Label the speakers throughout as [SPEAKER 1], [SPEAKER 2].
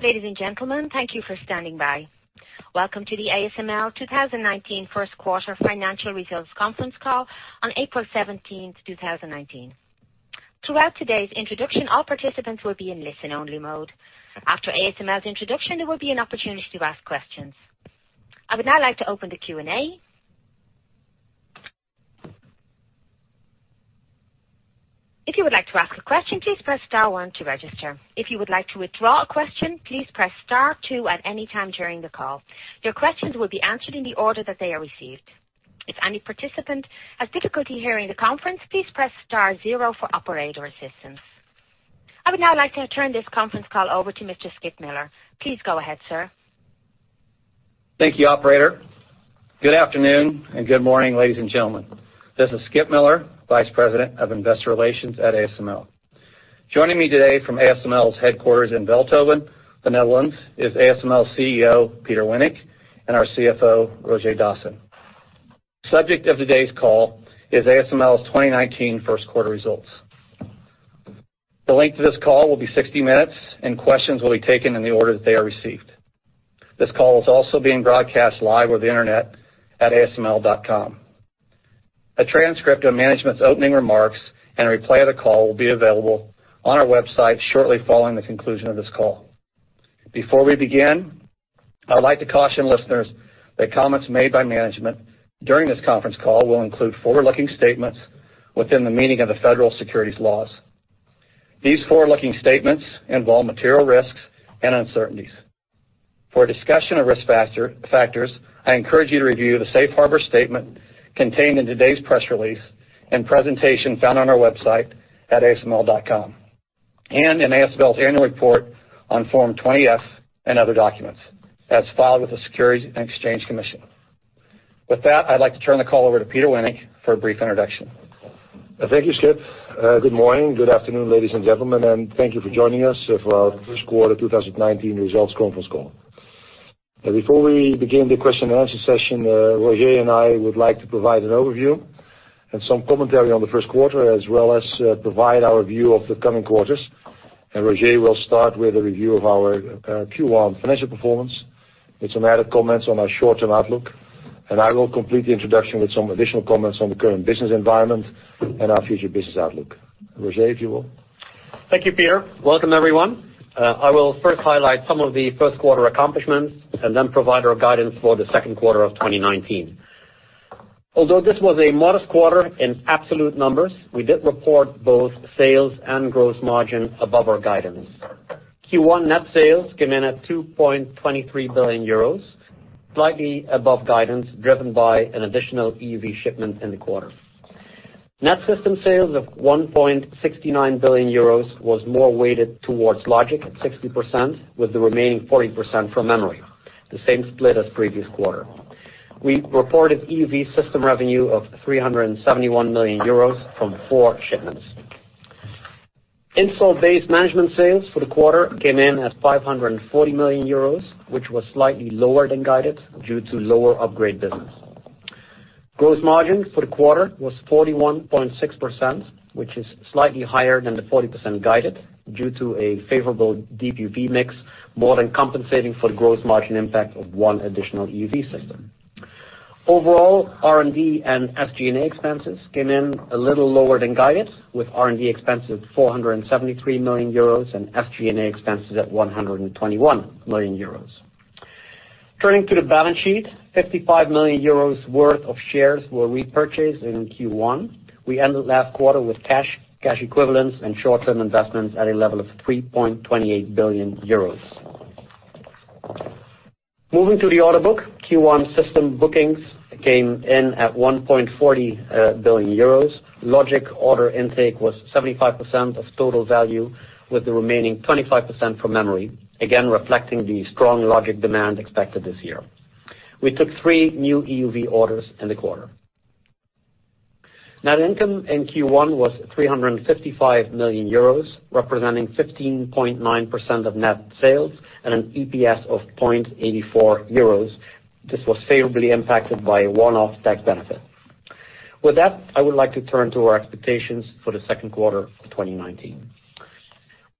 [SPEAKER 1] Ladies and gentlemen, thank you for standing by. Welcome to the ASML 2019 first quarter financial results conference call on April 17th, 2019. Throughout today's introduction, all participants will be in listen-only mode. After ASML's introduction, there will be an opportunity to ask questions. I would now like to open the Q&A. If you would like to ask a question, please press star one to register. If you would like to withdraw a question, please press star two at any time during the call. Your questions will be answered in the order that they are received. If any participant has difficulty hearing the conference, please press star zero for operator assistance. I would now like to turn this conference call over to Mr. Skip Miller. Please go ahead, sir.
[SPEAKER 2] Thank you, operator. Good afternoon and good morning, ladies and gentlemen. This is Skip Miller, Vice President of Investor Relations at ASML. Joining me today from ASML's headquarters in Veldhoven, the Netherlands, is ASML CEO Peter Wennink, and our CFO, Roger Dassen. Subject of today's call is ASML's 2019 first quarter results. The length of this call will be 60 minutes, and questions will be taken in the order that they are received. This call is also being broadcast live over the internet at asml.com. A transcript of management's opening remarks and a replay of the call will be available on our website shortly following the conclusion of this call. Before we begin, I'd like to caution listeners that comments made by management during this conference call will include forward-looking statements within the meaning of the federal securities laws. These forward-looking statements involve material risks and uncertainties. For a discussion of risk factors, I encourage you to review the safe harbor statement contained in today's press release and presentation found on our website at asml.com, and in ASML's annual report on Form 20-F and other documents as filed with the Securities and Exchange Commission. With that, I'd like to turn the call over to Peter Wennink for a brief introduction.
[SPEAKER 3] Thank you, Skip. Good morning, good afternoon, ladies and gentlemen, thank you for joining us for our first quarter 2019 results conference call. Before we begin the question and answer session, Roger and I would like to provide an overview and some commentary on the first quarter as well as provide our view of the coming quarters. Roger will start with a review of our Q1 financial performance with some added comments on our short-term outlook, and I will complete the introduction with some additional comments on the current business environment and our future business outlook. Roger, if you will.
[SPEAKER 4] Thank you, Peter. Welcome, everyone. I will first highlight some of the first quarter accomplishments and then provide our guidance for the second quarter of 2019. Although this was a modest quarter in absolute numbers, we did report both sales and gross margin above our guidance. Q1 net sales came in at 2.23 billion euros, slightly above guidance, driven by an additional EUV shipment in the quarter. Net system sales of 1.69 billion euros was more weighted towards logic at 60%, with the remaining 40% from memory, the same split as previous quarter. We reported EUV system revenue of 371 million euros from four shipments. Installed base management sales for the quarter came in at 540 million euros, which was slightly lower than guided due to lower upgrade business. Gross margin for the quarter was 41.6%, which is slightly higher than the 40% guided due to a favorable DUV mix, more than compensating for the gross margin impact of one additional EUV system. Overall, R&D and SG&A expenses came in a little lower than guided, with R&D expenses 473 million euros and SG&A expenses at 121 million euros. Turning to the balance sheet, 55 million euros worth of shares were repurchased in Q1. We ended last quarter with cash equivalents, and short-term investments at a level of 3.28 billion euros. Moving to the order book, Q1 system bookings came in at 1.40 billion euros. Logic order intake was 75% of total value, with the remaining 25% from memory, again reflecting the strong logic demand expected this year. We took three new EUV orders in the quarter. Net income in Q1 was 355 million euros, representing 15.9% of net sales and an EPS of 0.84 euros. This was favorably impacted by a one-off tax benefit. With that, I would like to turn to our expectations for the second quarter of 2019.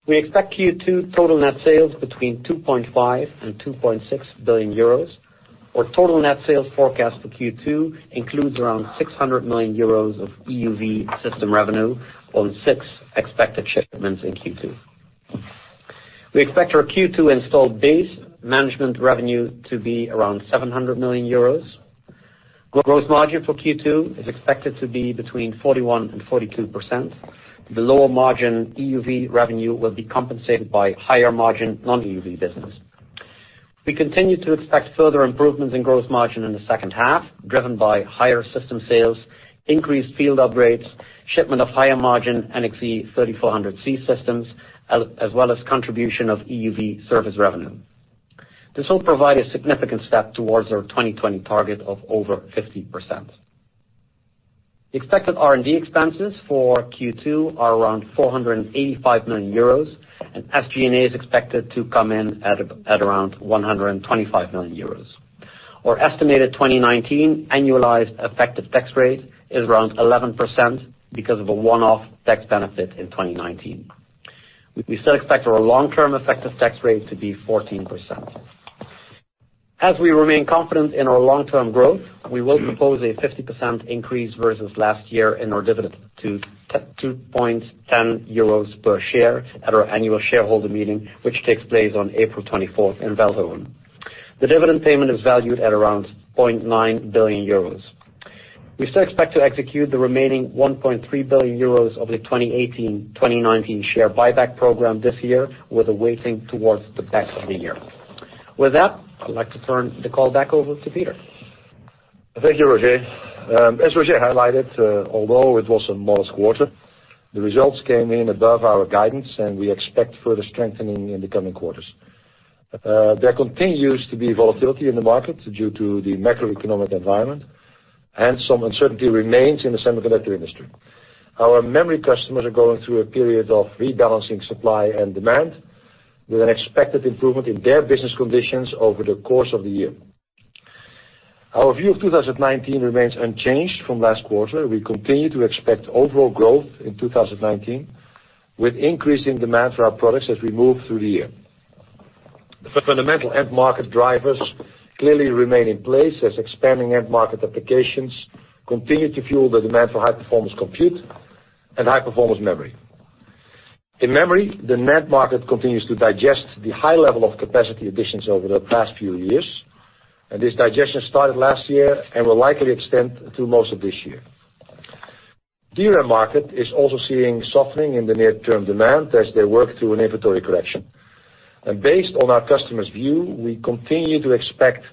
[SPEAKER 4] We expect Q2 total net sales between 2.5 billion and 2.6 billion euros. Our total net sales forecast for Q2 includes around 600 million euros of EUV system revenue on six expected shipments in Q2. We expect our Q2 installed base management revenue to be around 700 million euros. Gross margin for Q2 is expected to be between 41% and 42%. The lower margin EUV revenue will be compensated by higher margin non-EUV business. We continue to expect further improvements in gross margin in the second half, driven by higher system sales, increased field upgrades, shipment of higher margin NXE:3400C systems, as well as contribution of EUV service revenue. This will provide a significant step towards our 2020 target of over 50%. Expected R&D expenses for Q2 are around 485 million euros, and SG&A is expected to come in at around 125 million euros. Our estimated 2019 annualized effective tax rate is around 11% because of a one-off tax benefit in 2019. We still expect our long-term effective tax rate to be 14%. As we remain confident in our long-term growth, we will propose a 50% increase versus last year in our dividend to 2.10 euros per share at our annual shareholder meeting, which takes place on April 24th in Belgium. The dividend payment is valued at around 0.9 billion euros. We still expect to execute the remaining 1.3 billion euros of the 2018-2019 share buyback program this year with a weighting towards the back of the year. With that, I'd like to turn the call back over to Peter.
[SPEAKER 3] Thank you, Roger. As Roger highlighted, although it was a modest quarter, the results came in above our guidance, and we expect further strengthening in the coming quarters. There continues to be volatility in the market due to the macroeconomic environment, and some uncertainty remains in the semiconductor industry. Our memory customers are going through a period of rebalancing supply and demand with an expected improvement in their business conditions over the course of the year. Our view of 2019 remains unchanged from last quarter. We continue to expect overall growth in 2019 with increasing demand for our products as we move through the year. The fundamental end market drivers clearly remain in place as expanding end market applications continue to fuel the demand for high-performance compute and high-performance memory. In memory, the NAND market continues to digest the high level of capacity additions over the past few years, and this digestion started last year and will likely extend through most of this year. DRAM market is also seeing softening in the near-term demand as they work through an inventory correction. Based on our customers view, we continue to expect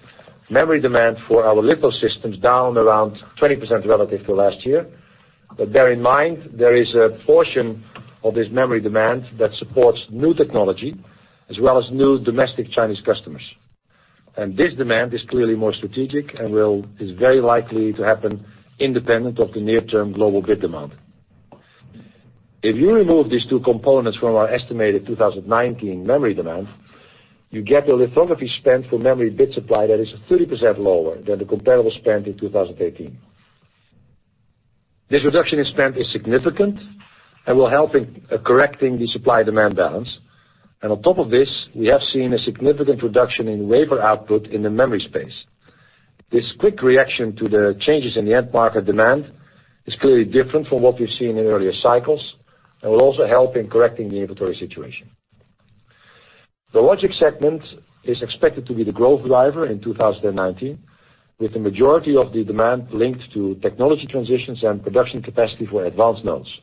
[SPEAKER 3] memory demand for our litho systems down around 20% relative to last year. Bear in mind, there is a portion of this memory demand that supports new technology as well as new domestic Chinese customers. This demand is clearly more strategic and is very likely to happen independent of the near-term global bit demand. If you remove these two components from our estimated 2019 memory demand, you get a lithography spend for memory bit supply that is 30% lower than the comparable spend in 2018. This reduction in spend is significant and will help in correcting the supply-demand balance. On top of this, we have seen a significant reduction in wafer output in the memory space. This quick reaction to the changes in the end market demand is clearly different from what we've seen in earlier cycles and will also help in correcting the inventory situation. The logic segment is expected to be the growth driver in 2019, with the majority of the demand linked to technology transitions and production capacity for advanced nodes.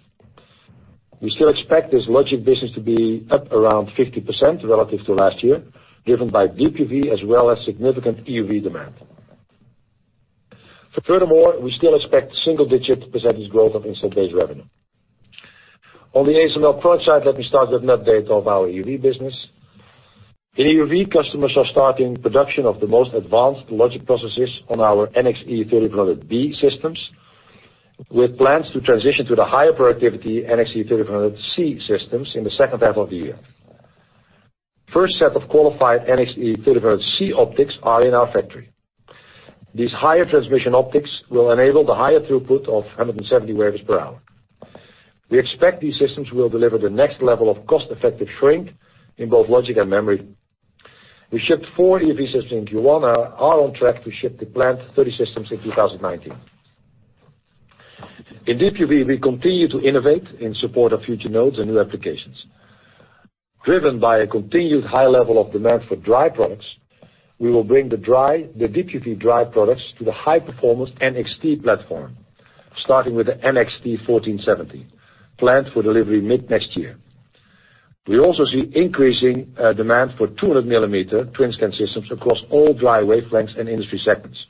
[SPEAKER 3] We still expect this logic business to be up around 50% relative to last year, driven by DUV as well as significant EUV demand. Furthermore, we still expect single-digit percentage growth on install base revenue. On the ASML product side, let me start with an update of our EUV business. The EUV customers are starting production of the most advanced logic processes on our NXE:3300B systems, with plans to transition to the higher productivity NXE:3300C systems in the second half of the year. First set of qualified NXE:3300C optics are in our factory. These higher transmission optics will enable the higher throughput of 170 wafers per hour. We expect these systems will deliver the next level of cost-effective shrink in both logic and memory. We shipped four EUV systems in Q1 and are on track to ship the planned 30 systems in 2019. In DUV, we continue to innovate in support of future nodes and new applications. Driven by a continued high level of demand for dry products, we will bring the DUV dry products to the high performance NXT platform, starting with the NXT1470 planned for delivery mid-next year. We also see increasing demand for 200-millimeter TWINSCAN systems across all dry wavelengths and industry segments.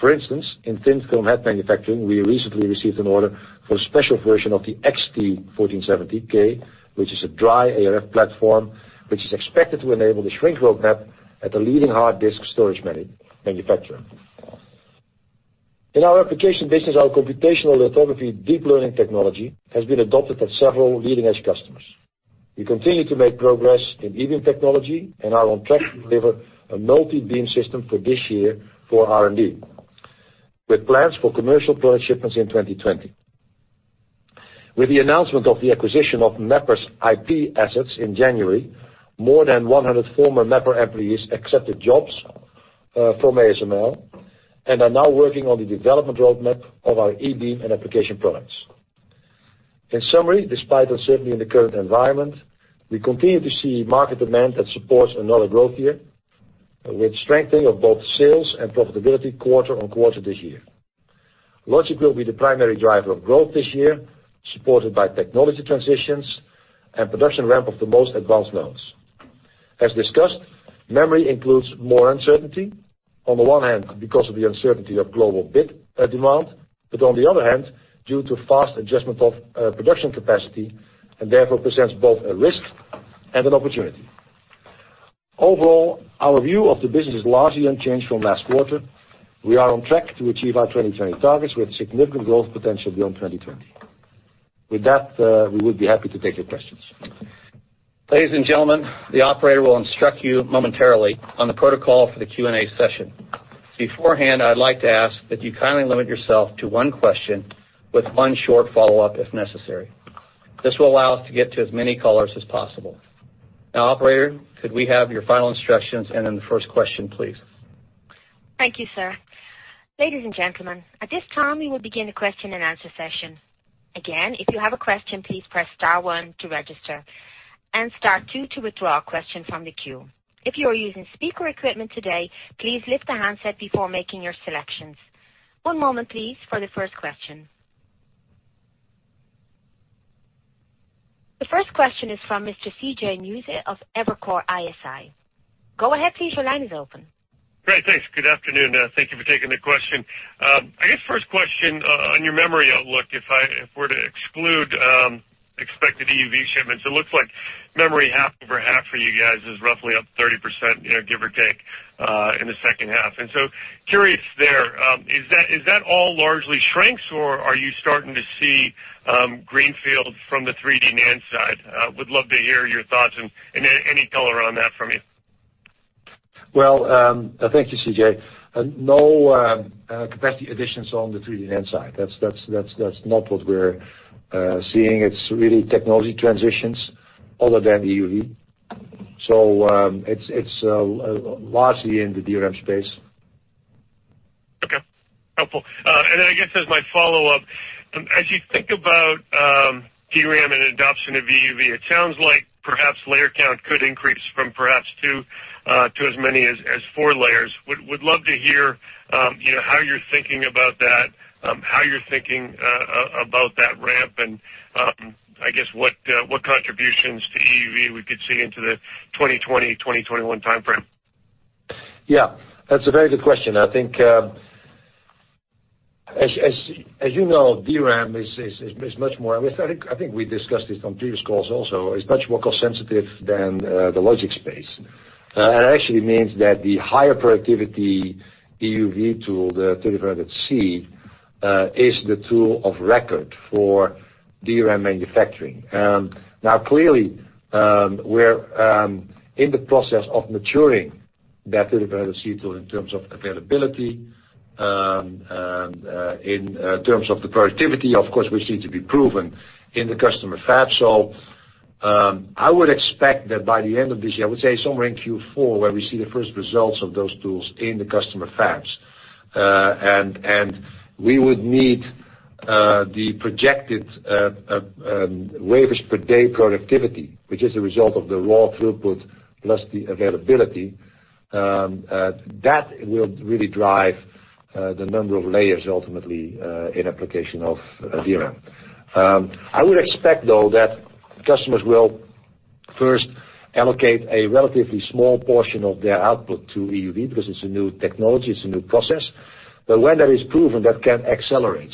[SPEAKER 3] For instance, in thin-film head manufacturing, we recently received an order for a special version of the XT1470K, which is a dry ARF platform, which is expected to enable the shrink roadmap at a leading hard disk storage manufacturer. In our application business, our computational lithography deep learning technology has been adopted by several leading-edge customers. We continue to make progress in e-beam technology and are on track to deliver a multi-beam system for this year for R&D, with plans for commercial product shipments in 2020. With the announcement of the acquisition of Mapper's IP assets in January, more than 100 former Mapper employees accepted jobs from ASML and are now working on the development roadmap of our e-beam and application products. In summary, despite uncertainty in the current environment, we continue to see market demand that supports another growth year, with strengthening of both sales and profitability quarter-on-quarter this year. Logic will be the primary driver of growth this year, supported by technology transitions and production ramp of the most advanced nodes. As discussed, memory includes more uncertainty, on the one hand because of the uncertainty of global bit demand, but on the other hand, due to fast adjustment of production capacity, and therefore presents both a risk and an opportunity. Overall, our view of the business is largely unchanged from last quarter. We are on track to achieve our 2020 targets with significant growth potential beyond 2020. With that, we would be happy to take your questions.
[SPEAKER 2] Ladies and gentlemen, the operator will instruct you momentarily on the protocol for the Q&A session. Beforehand, I'd like to ask that you kindly limit yourself to one question with one short follow-up if necessary. This will allow us to get to as many callers as possible. Now, operator, could we have your final instructions and then the first question, please?
[SPEAKER 1] Thank you, sir. Ladies and gentlemen, at this time, we will begin the question and answer session. Again, if you have a question, please press star one to register and star two to withdraw a question from the queue. If you are using speaker equipment today, please lift the handset before making your selections. One moment, please, for the first question. The first question is from Mr. C.J. Muse of Evercore ISI. Go ahead. Please, your line is open.
[SPEAKER 5] Great. Thanks. Good afternoon. Thank you for taking the question. I guess first question on your memory outlook, if we're to exclude expected EUV shipments, it looks like memory half-over-half for you guys is roughly up 30%, give or take, in the second half. Curious there, is that all largely shrinks or are you starting to see greenfield from the 3D NAND side? Would love to hear your thoughts and any color on that from you.
[SPEAKER 3] Well, thank you, C.J. No capacity additions on the 3D NAND side. That's not what we're seeing. It's really technology transitions other than EUV. It's largely in the DRAM space.
[SPEAKER 5] Okay. Helpful. I guess as my follow-up, as you think about DRAM and adoption of EUV, it sounds like perhaps layer count could increase from perhaps 2 to as many as 4 layers. Would love to hear how you're thinking about that, how you're thinking about that ramp, and, I guess, what contributions to EUV we could see into the 2020, 2021 timeframe.
[SPEAKER 3] Yeah, that's a very good question. I think, as you know, I think we discussed this on previous calls also. It's much more cost sensitive than the logic space. It actually means that the higher productivity EUV tool, the 300C is the tool of record for DRAM manufacturing. Now, clearly, we're in the process of maturing that 300C tool in terms of availability, in terms of the productivity. Of course, we see to be proven in the customer fab. I would expect that by the end of this year, I would say somewhere in Q4, where we see the first results of those tools in the customer fabs. We would need the projected wafers per day productivity, which is a result of the raw throughput plus the availability. That will really drive the number of layers ultimately, in application of DRAM. I would expect, though, that customers will first allocate a relatively small portion of their output to EUV because it's a new technology, it's a new process. When that is proven, that can accelerate.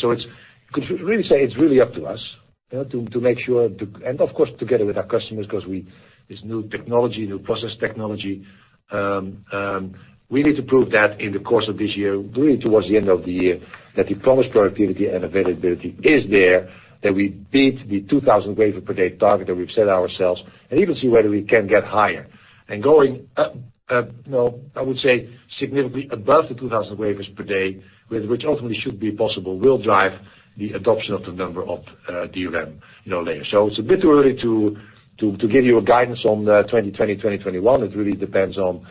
[SPEAKER 3] Could really say it's really up to us to make sure, and of course, together with our customers, because it's new technology, new process technology. We need to prove that in the course of this year, really towards the end of the year, that the promised productivity and availability is there, that we beat the 2,000 wafer per day target that we've set ourselves, and even see whether we can get higher. Going, I would say, significantly above the 2,000 wafers per day, which ultimately should be possible, will drive the adoption of the number of DRAM layers. It's a bit early to give you a guidance on the 2020, 2021. It really depends on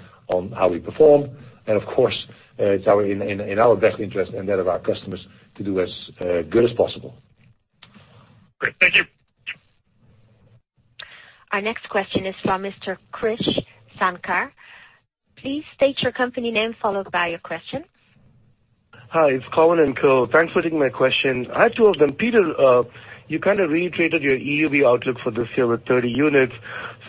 [SPEAKER 3] how we perform. Of course, it's in our best interest and that of our customers to do as good as possible.
[SPEAKER 5] Great. Thank you.
[SPEAKER 1] Our next question is from Mr. Krish Sankar. Please state your company name followed by your question.
[SPEAKER 6] Hi, it's Cowen and Company. Thanks for taking my question. I have two of them. Peter, you kind of reiterated your EUV outlook for this year with 30 units.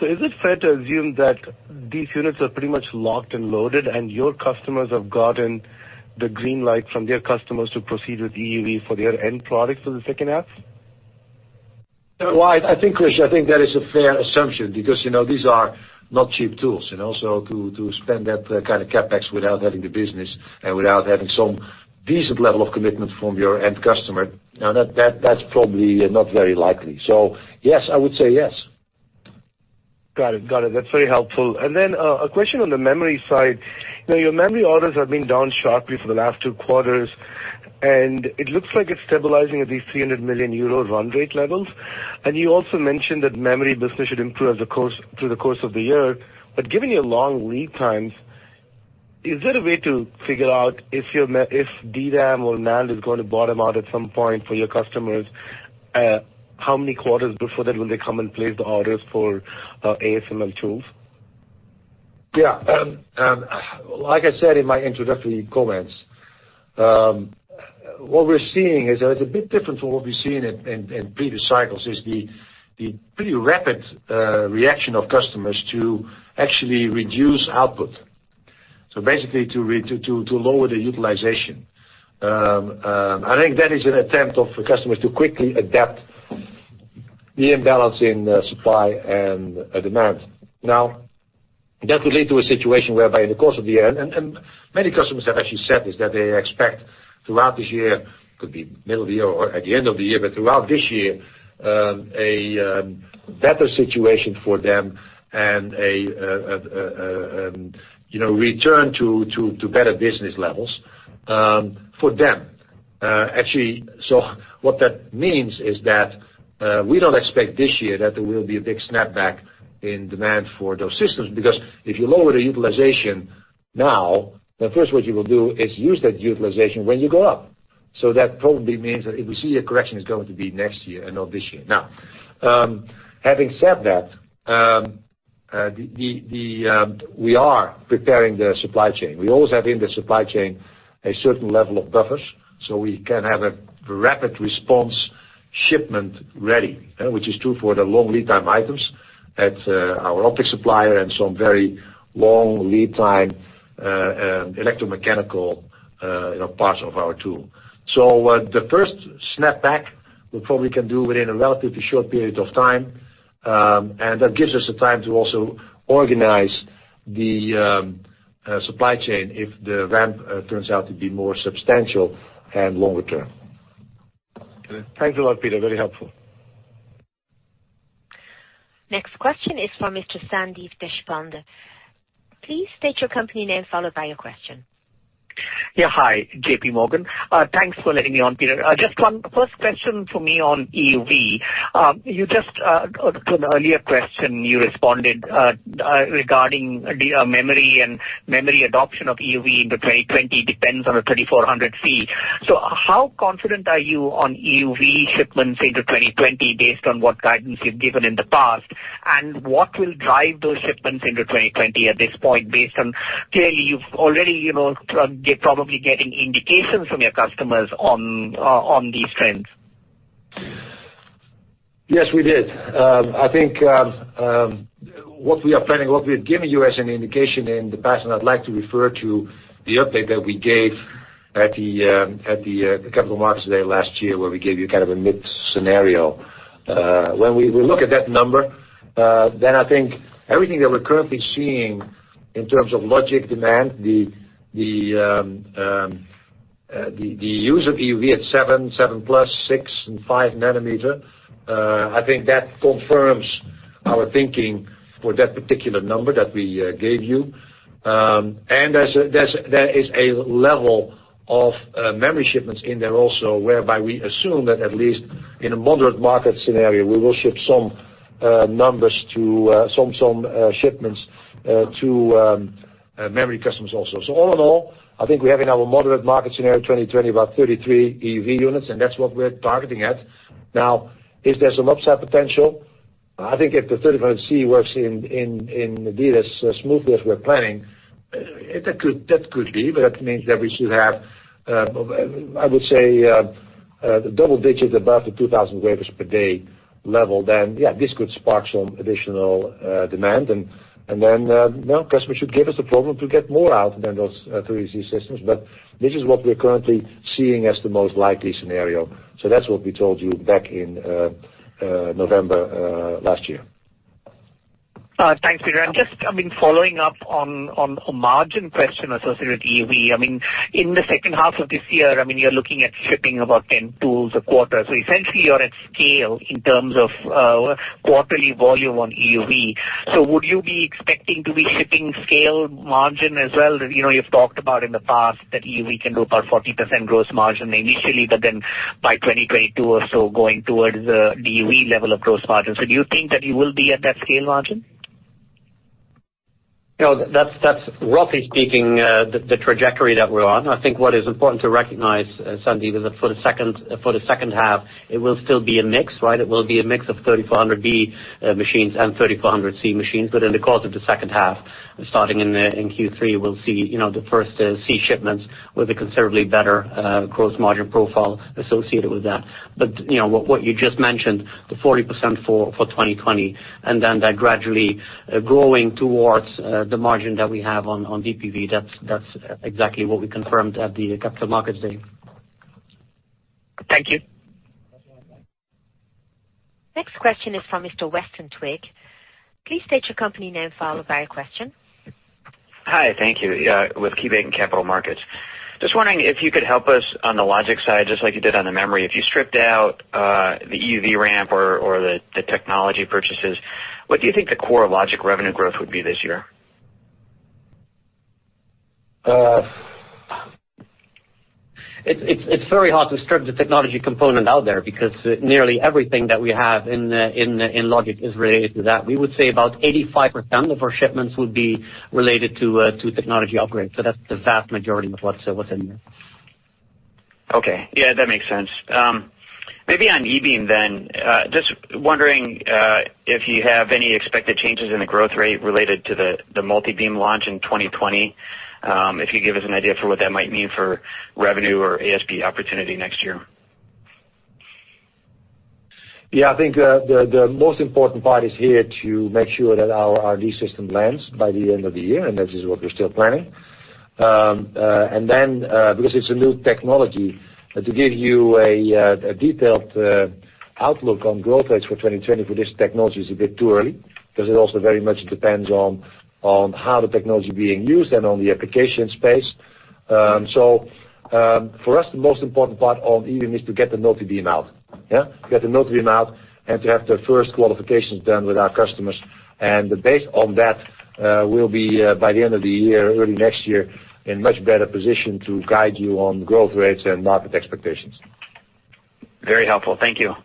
[SPEAKER 6] Is it fair to assume that these units are pretty much locked and loaded, and your customers have gotten the green light from their customers to proceed with EUV for their end products for the second half?
[SPEAKER 3] Well, I think, Krish, I think that is a fair assumption because these are not cheap tools. To spend that kind of CapEx without having the business and without having some decent level of commitment from your end customer, now that's probably not very likely. Yes, I would say yes.
[SPEAKER 6] Got it. That's very helpful. A question on the memory side. Your memory orders have been down sharply for the last two quarters, and it looks like it's stabilizing at these 300 million euro run rate levels. You also mentioned that memory business should improve through the course of the year. Given your long lead times, is there a way to figure out if DRAM or NAND is going to bottom out at some point for your customers? How many quarters before that when they come and place the orders for ASML tools?
[SPEAKER 3] Yeah. Like I said in my introductory comments, what we're seeing is a bit different from what we've seen in previous cycles, is the pretty rapid reaction of customers to actually reduce output. Basically, to lower the utilization. I think that is an attempt of customers to quickly adapt the imbalance in supply and demand. That would lead to a situation whereby in the course of the year, and many customers have actually said this, that they expect throughout this year, could be middle of the year or at the end of the year, but throughout this year, a better situation for them and a return to better business levels for them. What that means is that we don't expect this year that there will be a big snapback in demand for those systems, because if you lower the utilization now, the first what you will do is use that utilization when you go up. That probably means that if we see a correction is going to be next year and not this year. Having said that, we are preparing the supply chain. We always have in the supply chain a certain level of buffers, so we can have a rapid response shipment ready, which is true for the long lead time items at our optic supplier and some very long lead time electromechanical parts of our tool. The first snapback we probably can do within a relatively short period of time, and that gives us the time to also organize the supply chain if the ramp turns out to be more substantial and longer-term.
[SPEAKER 6] Thanks a lot, Peter. Very helpful.
[SPEAKER 1] Next question is from Mr. Sandeep Deshpande. Please state your company name, followed by your question.
[SPEAKER 7] Hi, JPMorgan. Thanks for letting me on, Peter. Just one first question for me on EUV. To an earlier question you responded regarding memory and memory adoption of EUV into 2020 depends on a NXE:3400C. How confident are you on EUV shipments into 2020 based on what guidance you've given in the past? What will drive those shipments into 2020 at this point based on, clearly, you've already probably getting indications from your customers on these trends?
[SPEAKER 3] Yes, we did. I think what we are planning, what we have given you as an indication in the past, I'd like to refer to the update that we gave at the Capital Markets Day last year, where we gave you kind of a mid-scenario. When we look at that number, then I think everything that we're currently seeing in terms of logic demand, the use of EUV at 7-plus, 6 and 5 nanometer, I think that confirms our thinking for that particular number that we gave you. There is a level of memory shipments in there also, whereby we assume that at least in a moderate market scenario, we will ship some shipments to memory customers also. All in all, I think we have in our moderate market scenario 2020 about 33 EUV units, and that's what we're targeting at. Is there some upside potential? I think if the NXE:3400C works indeed as smoothly as we're planning, that could be, that means that we should have, I would say, double digits above the 2,000 wafers per day level, this could spark some additional demand, customers should give us the problem to get more out than those NXE:3400C systems. This is what we're currently seeing as the most likely scenario. That's what we told you back in November last year.
[SPEAKER 7] Thanks, Peter. Just following up on a margin question associated with EUV. In the second half of this year, you're looking at shipping about 10 tools a quarter. Essentially you're at scale in terms of quarterly volume on EUV. Would you be expecting to be shipping scale margin as well? You've talked about in the past that EUV can do about 40% gross margin initially, but then by 2022 or so, going towards the DUV level of gross margin. Do you think that you will be at that scale margin?
[SPEAKER 3] That's roughly speaking, the trajectory that we're on. I think what is important to recognize, Sandeep, is that for the second half, it will still be a mix, right? It will be a mix of 3400 B machines and 3400 C machines. In the course of the second half, starting in Q3, we'll see the first C shipments with a considerably better gross margin profile associated with that. What you just mentioned, the 40% for 2020 and then that gradually growing towards the margin that we have on DUV, that's exactly what we confirmed at the Capital Markets Day.
[SPEAKER 7] Thank you.
[SPEAKER 1] Next question is from Mr. Weston Twigg. Please state your company name followed by your question.
[SPEAKER 8] Hi. Thank you. With KeyBanc Capital Markets. Just wondering if you could help us on the logic side, just like you did on the memory. If you stripped out the EUV ramp or the technology purchases, what do you think the core logic revenue growth would be this year?
[SPEAKER 3] It's very hard to strip the technology component out there because nearly everything that we have in logic is related to that. We would say about 85% of our shipments would be related to technology upgrades. That's the vast majority of what's in there.
[SPEAKER 8] Okay. Yeah, that makes sense. Maybe on E-beam then, just wondering if you have any expected changes in the growth rate related to the multi-beam launch in 2020. If you give us an idea for what that might mean for revenue or ASP opportunity next year.
[SPEAKER 3] Yeah, I think the most important part is here to make sure that our D system lands by the end of the year, that is what we're still planning. Because it's a new technology, to give you a detailed outlook on growth rates for 2020 for this technology is a bit too early, because it also very much depends on how the technology is being used and on the application space. For us, the most important part of EUV is to get the multi-beam out. Yeah? Get the multi-beam out, and to have the first qualifications done with our customers. Based on that, we'll be, by the end of the year, early next year, in much better position to guide you on growth rates and market expectations.
[SPEAKER 8] Very helpful. Thank you.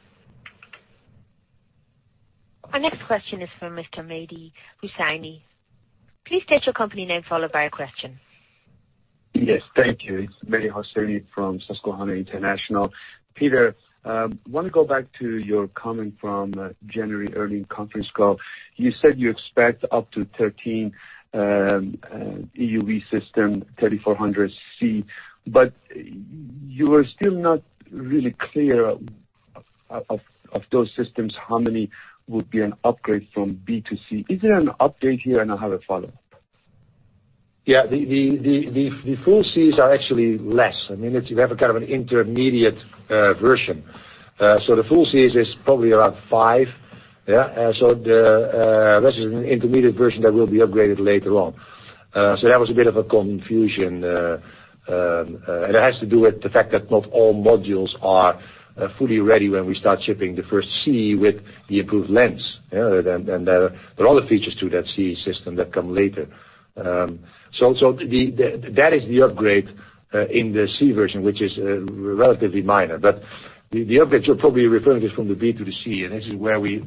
[SPEAKER 1] Our next question is from Mr. Mehdi Hosseini. Please state your company name, followed by your question.
[SPEAKER 9] Yes. Thank you. It's Mehdi Hosseini from Susquehanna International. Peter, I want to go back to your comment from January early conference call. You said you expect up to 13 EUV system 3400C, you are still not really clear of those systems, how many would be an upgrade from B to C. Is there an update here? I have a follow-up.
[SPEAKER 3] Yeah. The full Cs are actually less. You have a kind of an intermediate version. The full C is probably around five. Yeah. The rest is an intermediate version that will be upgraded later on. That was a bit of a confusion. It has to do with the fact that not all modules are fully ready when we start shipping the first C with the improved lens. There are other features to that C system that come later. That is the upgrade in the C version, which is relatively minor. The upgrade you're probably referring is from the B to the C, this is where we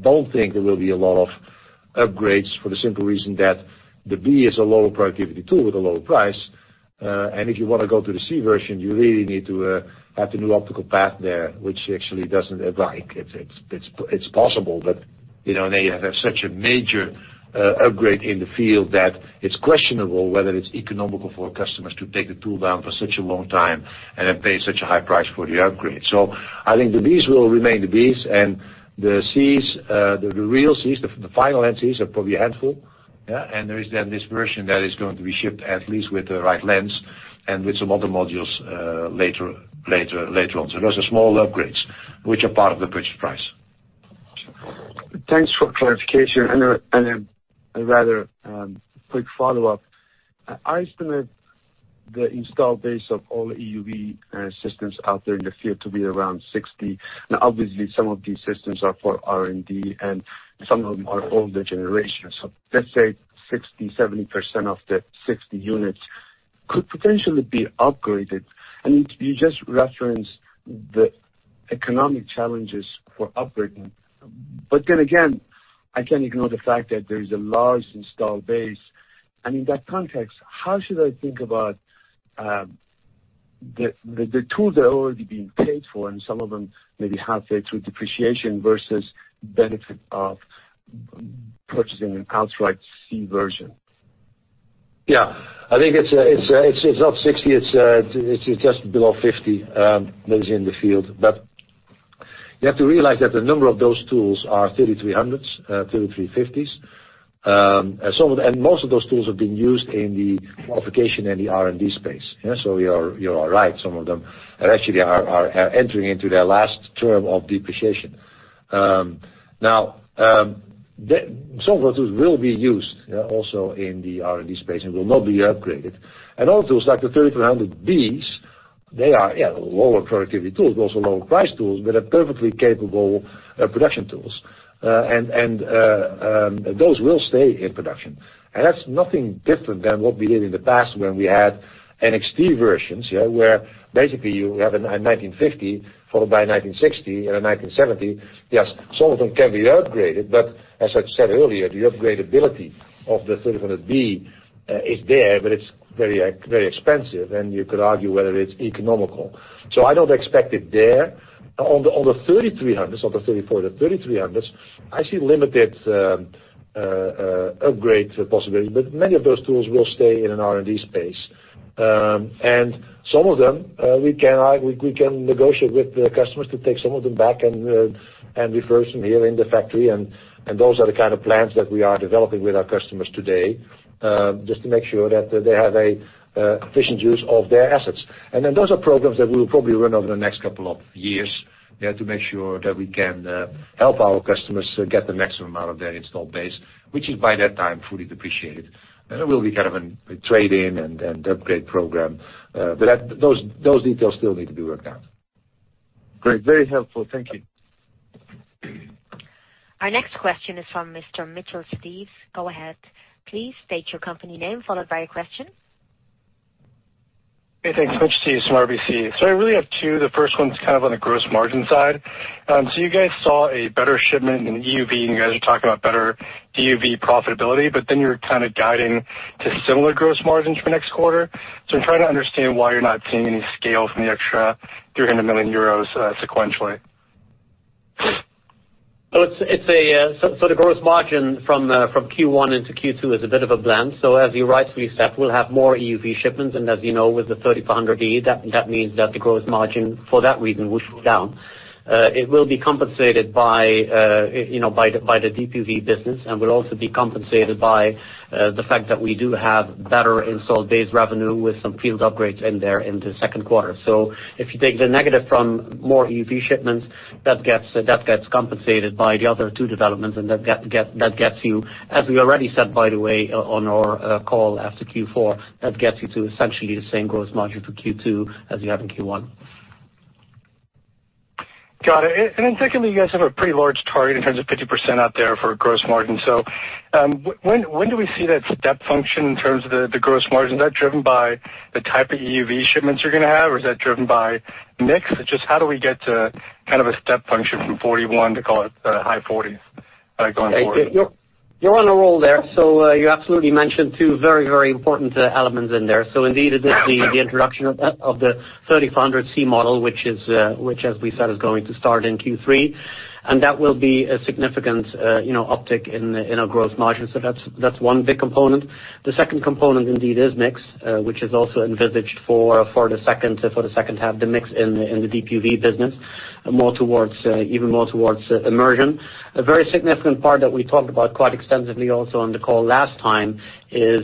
[SPEAKER 3] don't think there will be a lot of upgrades for the simple reason that the B is a lower productivity tool with a lower price. If you want to go to the C version, you really need to have the new optical path there, which actually doesn't apply. It's possible, they have such a major upgrade in the field that it's questionable whether it's economical for customers to take the tool down for such a long time and then pay such a high price for the upgrade. I think the Bs will remain the Bs and the Cs, the real Cs, the final end Cs are probably a handful. Yeah. There is this version that is going to be shipped at least with the right lens and with some other modules, later on. Those are small upgrades, which are part of the purchase price.
[SPEAKER 9] Thanks for clarification. A rather quick follow-up. I estimate the install base of all EUV systems out there in the field to be around 60. Obviously, some of these systems are for R&D and some of them are older generations. Let's say 60% to 70% of the 60 units could potentially be upgraded. You just referenced the economic challenges for upgrading. Again, I can't ignore the fact that there is a large install base. In that context, how should I think about the tools that are already being paid for and some of them maybe halfway through depreciation versus benefit of purchasing an outright C version?
[SPEAKER 3] I think it's not 60, it's just below 50 that is in the field. You have to realize that a number of those tools are 3300s, 3350s. Most of those tools have been used in the qualification and the R&D space. You're right. Some of them actually are entering into their last term of depreciation. Some of those tools will be used also in the R&D space and will not be upgraded. Other tools, like the 3300Bs, they are lower productivity tools, but also lower price tools, but are perfectly capable production tools. Those will stay in production. That's nothing different than what we did in the past when we had NXT versions, where basically you have a 1950 followed by 1960 and a 1970. Some of them can be upgraded, as I said earlier, the upgrade ability of the 3300B is there, it's very expensive, and you could argue whether it's economical. I don't expect it there. On the 3300s, not the 34, the 3300s, I see limited upgrade possibility, but many of those tools will stay in an R&D space. Some of them, we can negotiate with the customers to take some of them back and refresh them here in the factory. Those are the kind of plans that we are developing with our customers today, just to make sure that they have efficient use of their assets. Those are programs that we'll probably run over the next couple of years there to make sure that we can help our customers get the maximum out of their install base, which is by that time fully depreciated. It will be kind of a trade-in and upgrade program. Those details still need to be worked out.
[SPEAKER 9] Great. Very helpful. Thank you.
[SPEAKER 1] Our next question is from Mr. Mitch Steves. Go ahead. Please state your company name, followed by your question.
[SPEAKER 10] Hey. Thanks much. Steves from RBC. I really have two. The first one's kind of on the gross margin side. You guys saw a better shipment in EUV, and you guys are talking about better DUV profitability, but then you're kind of guiding to similar gross margins for next quarter. I'm trying to understand why you're not seeing any scale from the extra 300 million euros sequentially.
[SPEAKER 4] The gross margin from Q1 into Q2 is a bit of a blend. As you rightfully said, we'll have more EUV shipments, and as you know, with the NXE:3400B, that means that the gross margin for that reason will go down. It will be compensated by the DUV business, and will also be compensated by the fact that we do have better installed base revenue with some field upgrades in there in the second quarter. If you take the negative from more EUV shipments, that gets compensated by the other two developments, and that gets you, as we already said by the way on our call after Q4, that gets you to essentially the same growth module for Q2 as you have in Q1.
[SPEAKER 10] Got it. Secondly, you guys have a pretty large target in terms of 50% out there for gross margin. When do we see that step function in terms of the gross margin? Is that driven by the type of EUV shipments you're going to have, or is that driven by mix? Just how do we get to kind of a step function from 41 to, call it, high 40s going forward?
[SPEAKER 4] You're on a roll there. You absolutely mentioned two very important elements in there. Indeed, the introduction of the 3400 C model, which as we said, is going to start in Q3, and that will be a significant uptick in our growth margin. That's one big component. The second component indeed is mix, which is also envisaged for the second half, the mix in the DUV business, even more towards immersion. A very significant part that we talked about quite extensively also on the call last time is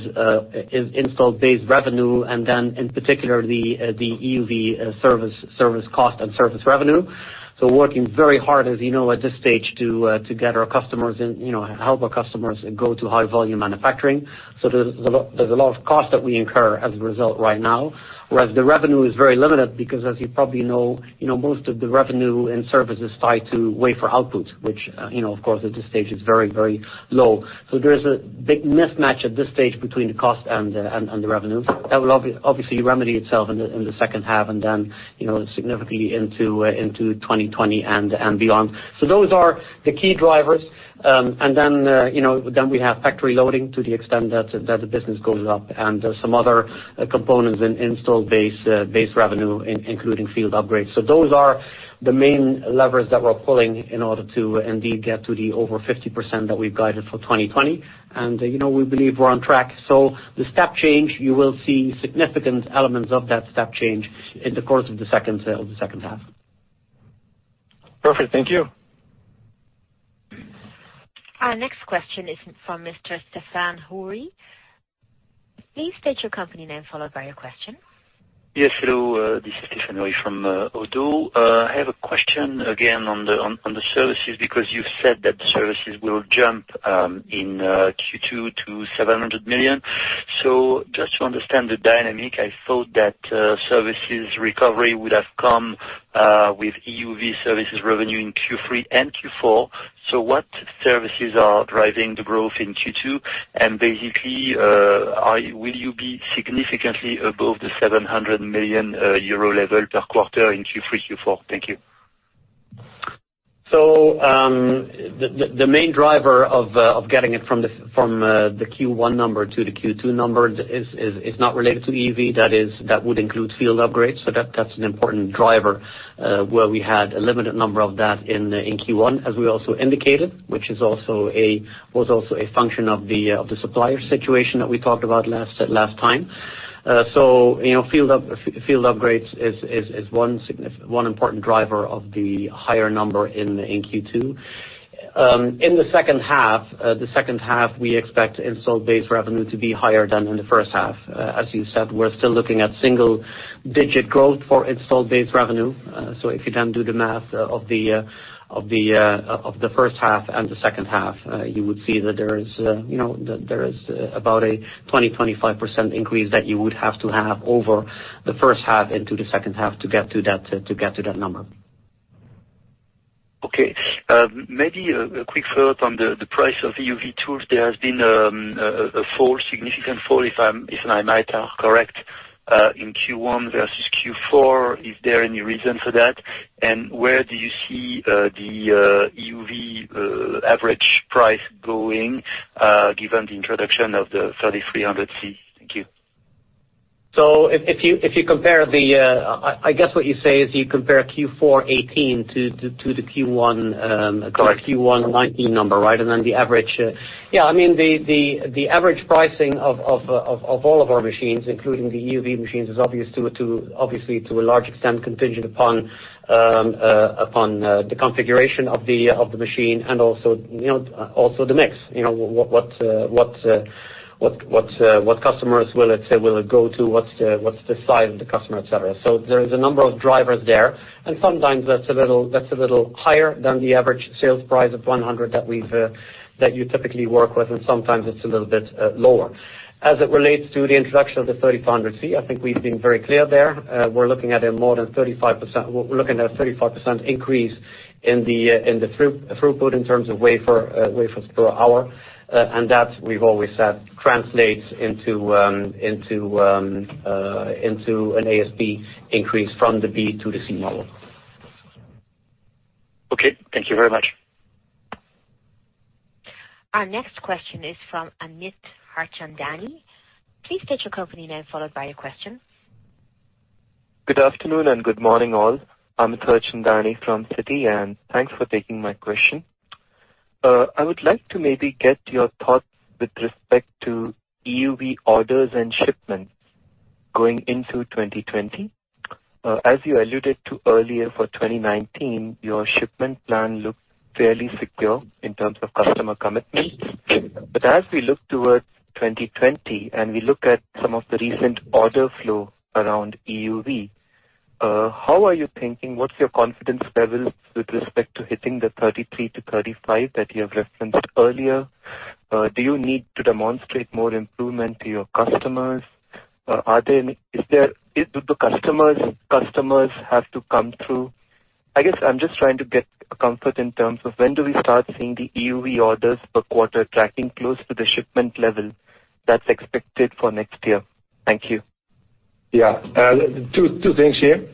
[SPEAKER 4] installed base revenue, and then in particular, the EUV service cost and service revenue. Working very hard, as you know, at this stage to get our customers and help our customers go to high volume manufacturing. There's a lot of cost that we incur as a result right now, whereas the revenue is very limited because as you probably know, most of the revenue and service is tied to wafer outputs, which of course at this stage is very low. There's a big mismatch at this stage between the cost and the revenue. That will obviously remedy itself in the second half and then significantly into 2020 and beyond. Those are the key drivers. We have factory loading to the extent that the business goes up, and some other components in installed base revenue, including field upgrades. Those are the main levers that we're pulling in order to indeed get to the over 50% that we've guided for 2020. We believe we're on track. The step change, you will see significant elements of that step change in the course of the second half.
[SPEAKER 10] Perfect. Thank you.
[SPEAKER 1] Our next question is from Mr. Stephane Houri. Please state your company name, followed by your question.
[SPEAKER 11] Yes, hello. This is Stephane Houri from ODDO. I have a question again on the services, because you said that the services will jump in Q2 to 700 million. Just to understand the dynamic, I thought that services recovery would have come with EUV services revenue in Q3 and Q4. What services are driving the growth in Q2? Basically, will you be significantly above the 700 million euro level per quarter in Q3, Q4? Thank you.
[SPEAKER 4] The main driver of getting it from the Q1 number to the Q2 number is not related to EUV, that would include field upgrades. That's an important driver where we had a limited number of that in Q1, as we also indicated, which was also a function of the supplier situation that we talked about last time. Field upgrades is one important driver of the higher number in Q2. In the second half, we expect installed base revenue to be higher than in the first half. As you said, we're still looking at single-digit growth for installed base revenue. If you then do the math of the first half and the second half, you would see that there is about a 20% to 25% increase that you would have to have over the first half into the second half to get to that number.
[SPEAKER 11] Okay. Maybe a quick follow-up on the price of EUV tools. There has been a significant fall, if I might be correct, in Q1 versus Q4. Is there any reason for that? Where do you see the EUV average price going given the introduction of the NXE:3300B-C? Thank you.
[SPEAKER 4] If you compare the I guess what you say is you compare Q4 2018 to the Q1-
[SPEAKER 11] Correct.
[SPEAKER 4] - Q1 2019 number, right? Then the average. Yeah, the average pricing of all of our machines, including the EUV machines, is obviously to a large extent contingent upon the configuration of the machine and also the mix. What customers will it go to? What's the size of the customer, et cetera? There is a number of drivers there, sometimes that's a little higher than the average sales price of 100 that you typically work with, sometimes it's a little bit lower. As it relates to the introduction of the 300 C, I think we've been very clear there. We're looking at a 35% increase in the throughput in terms of wafers per hour. That, we've always said, translates into an ASP increase from the B to the C model.
[SPEAKER 11] Okay. Thank you very much.
[SPEAKER 1] Our next question is from Amit Harchandani. Please state your company name, followed by your question.
[SPEAKER 12] Good afternoon and good morning, all. Amit Harchandani from Citi. Thanks for taking my question. I would like to maybe get your thoughts with respect to EUV orders and shipments going into 2020. As you alluded to earlier, for 2019, your shipment plan looked fairly secure in terms of customer commitments. But as we look towards 2020, and we look at some of the recent order flow around EUV, how are you thinking? What's your confidence levels with respect to hitting the 33 to 35 that you have referenced earlier? Do you need to demonstrate more improvement to your customers? Do the customers have to come through? I guess I'm just trying to get comfort in terms of when do we start seeing the EUV orders per quarter tracking close to the shipment level that's expected for next year. Thank you.
[SPEAKER 3] Two things here.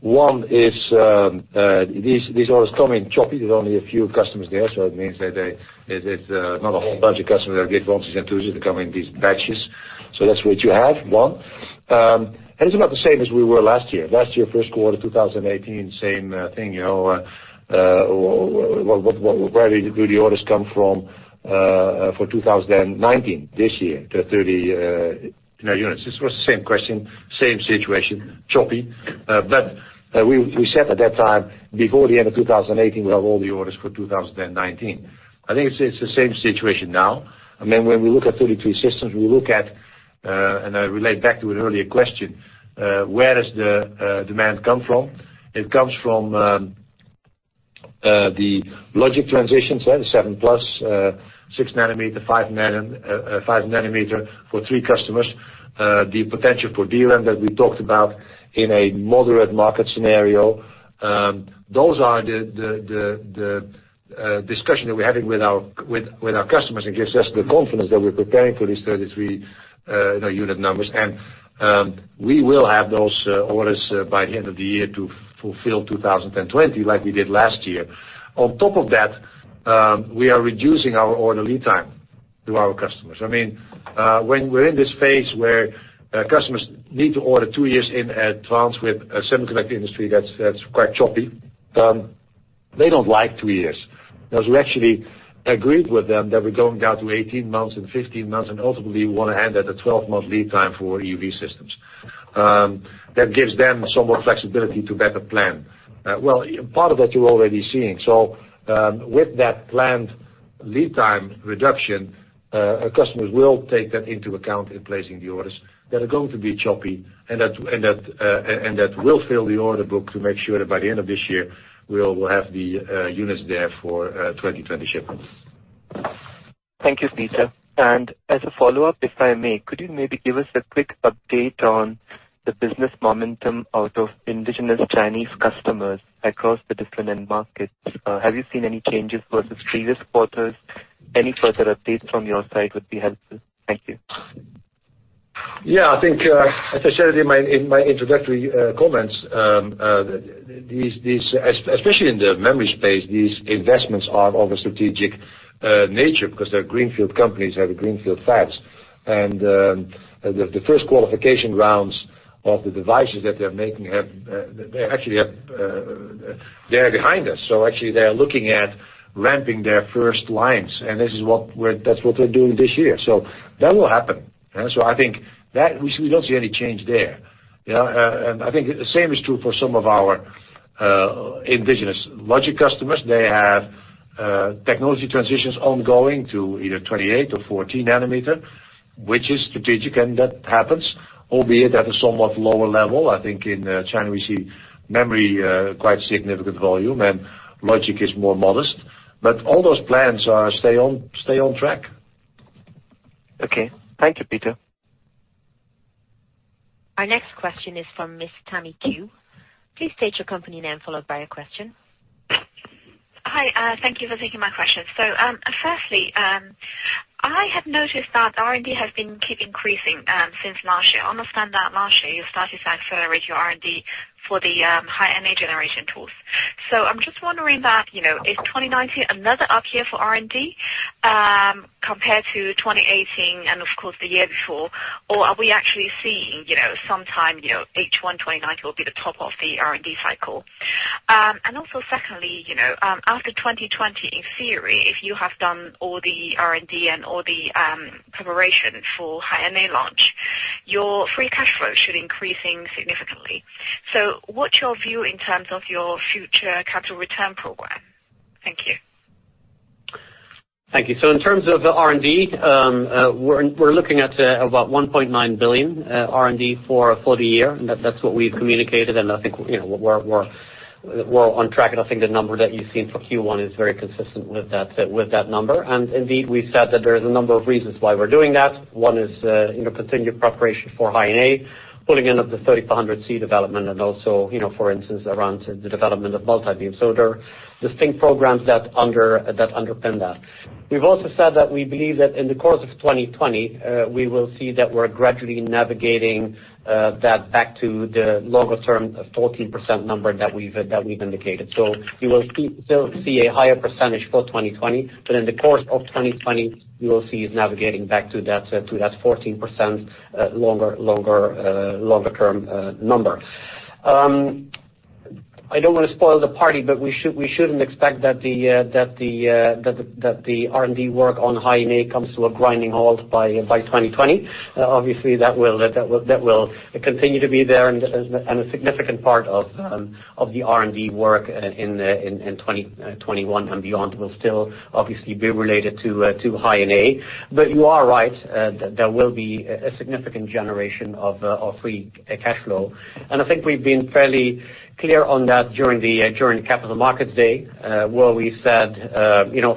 [SPEAKER 3] One is, these orders come in choppy. There's only a few customers there, so it means that it's not a whole bunch of customers that get once they come in these batches. That's what you have, one. It's about the same as we were last year. Last year, first quarter 2018, same thing. Where do the orders come from, for 2019 this year? The 30 units. This was the same question, same situation, choppy. We said at that time, before the end of 2018, we have all the orders for 2019. I think it's the same situation now. When we look at 33 systems, we look at, I relate back to an earlier question, where does the demand come from? It comes from the logic transitions, the 7 plus, 6 nanometer, 5 nanometer for three customers. The potential for DRAM that we talked about in a moderate market scenario. Those are the discussion that we're having with our customers and gives us the confidence that we're preparing for these 33 unit numbers. We will have those orders by the end of the year to fulfill 2020 like we did last year. On top of that, we are reducing our order lead time to our customers. When we're in this phase where customers need to order two years in advance with a semiconductor industry that's quite choppy. They don't like two years. Because we actually agreed with them that we're going down to 18 months and 15 months, and ultimately we want to end at a 12-month lead time for EUV systems. That gives them some more flexibility to better plan. Well, part of that you're already seeing. With that planned lead time reduction, customers will take that into account in placing the orders that are going to be choppy, and that will fill the order book to make sure that by the end of this year, we'll have the units there for 2020 shipments.
[SPEAKER 12] Thank you, Peter. As a follow-up, if I may, could you maybe give us a quick update on the business momentum out of indigenous Chinese customers across the different end markets? Have you seen any changes versus previous quarters? Any further updates from your side would be helpful. Thank you.
[SPEAKER 3] I think, as I shared in my introductory comments, especially in the memory space, these investments are of a strategic nature because they're greenfield companies, have greenfield fabs. The first qualification rounds of the devices that they're making, they are behind us. Actually, they're looking at ramping their first lines, and that's what they're doing this year. That will happen. I think we don't see any change there. I think the same is true for some of our indigenous logic customers. They have technology transitions ongoing to either 28 or 14 nanometer, which is strategic, and that happens, albeit at a somewhat lower level. I think in China, we see memory quite significant volume and logic is more modest. All those plans stay on track.
[SPEAKER 12] Okay. Thank you, Peter.
[SPEAKER 1] Our next question is from Miss Tammy Qiu. Please state your company name followed by your question.
[SPEAKER 13] Hi. Thank you for taking my question. Firstly, I have noticed that R&D has been keep increasing since last year. I understand that last year you started to accelerate your R&D for the High NA generation tools. I'm just wondering that, is 2019 another up year for R&D, compared to 2018 and of course the year before? Or are we actually seeing, sometime, H1 2019 will be the top of the R&D cycle? Secondly, after 2020, in theory, if you have done all the R&D and all the preparation for High NA launch, your free cash flow should increasing significantly. What's your view in terms of your future capital return program? Thank you.
[SPEAKER 3] Thank you. In terms of the R&D, we're looking at about 1.9 billion R&D for the year. That's what we've communicated, and I think we're on track, and I think the number that you've seen for Q1 is very consistent with that number. Indeed, we've said that there is a number of reasons why we're doing that. One is, continued preparation for High NA, pulling in of the 3400 C development and also, for instance, around the development of multi-beam.
[SPEAKER 4] There are distinct programs that underpin that. We've also said that we believe that in the course of 2020, we will see that we're gradually navigating that back to the longer term of 14% number that we've indicated. You will still see a higher percentage for 2020, but in the course of 2020, you will see us navigating back to that 14% longer term number. I don't want to spoil the party, we shouldn't expect that the R&D work on High-NA comes to a grinding halt by 2020. Obviously, that will continue to be there and a significant part of the R&D work in 2021 and beyond will still obviously be related to High-NA. You are right, there will be a significant generation of free cash flow. I think we've been fairly clear on that during the Capital Markets Day, where we said,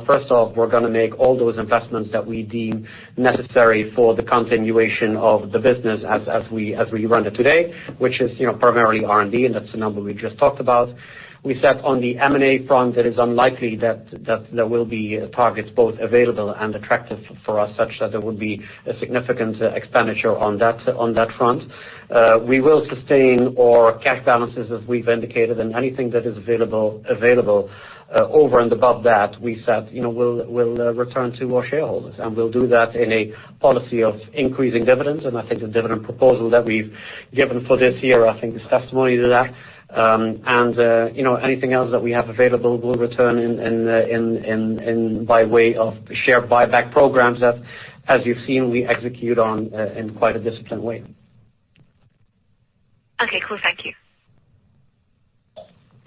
[SPEAKER 4] first off, we're going to make all those investments that we deem necessary for the continuation of the business as we run it today, which is primarily R&D, and that's the number we just talked about. We said on the M&A front, it is unlikely that there will be targets both available and attractive for us, such that there would be a significant expenditure on that front. We will sustain our cash balances as we've indicated, anything that is available over and above that, we said we'll return to our shareholders, and we'll do that in a policy of increasing dividends. I think the dividend proposal that we've given for this year, I think is testimony to that. Anything else that we have available, we'll return by way of share buyback programs that, as you've seen, we execute on in quite a disciplined way.
[SPEAKER 13] Okay, cool. Thank you.